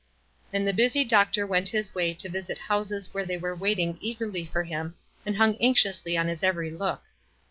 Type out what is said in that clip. And the busy doctor went his way to visit houses where they were waiting eagerly for him, and hung anxiously on his every look.